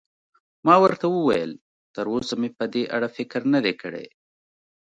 ما ورته وویل: تراوسه مې په دې اړه فکر نه دی کړی.